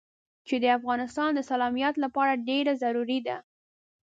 چې د افغانستان د سالميت لپاره ډېره ضروري ده.